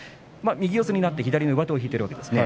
右四つになって左の上手を引いていますね。